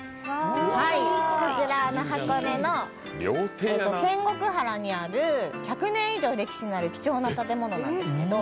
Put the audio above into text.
箱根の仙石原にある１００年以上歴史のある貴重な建物なんですね。